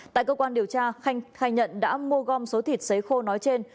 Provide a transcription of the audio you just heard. tại cơ quan điều tra khanh khai nhận đã mua gom số thịt xấy khô nói trên